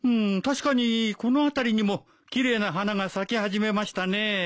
確かにこの辺りにも奇麗な花が咲き始めましたね。